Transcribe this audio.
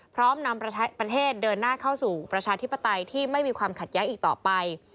พร้อมนำประเทศเดินหน้าเข้าสู่ประชาธิปไตยที่ไม่มีความขัดแย้งอีกต่อไป